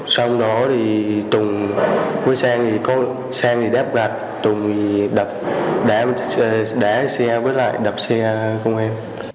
xong đó thì tùng với sang đép gạt tùng đá xe với lại đập xe công an